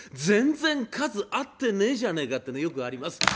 全然数合ってねえじゃねえかっていうのよくあります。